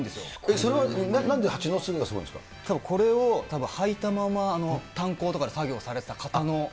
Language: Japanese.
それはなんで蜂の巣がすごいたぶん、これをはいたまま炭鉱とかで作業されてた方の。